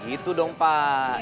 itu dong pak